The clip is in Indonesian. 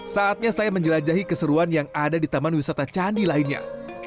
saatnya saya menjelajahi keseruan yang ada di taman wisata candi lainnya